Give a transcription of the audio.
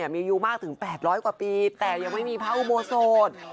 มีอายุมากถึง๘๐๐กว่าปีแต่ยังไม่มีพระอุโบสถ